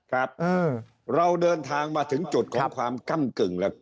ครับเราเดินทางมาถึงจุดของความก้ำกึ่งแล้ว